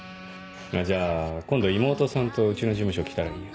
じゃあ今度妹さんとうちの事務所来たらいいよ。